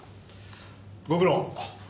ご苦労。